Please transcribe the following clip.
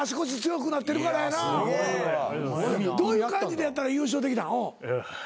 どういう感じでやったら優勝できた？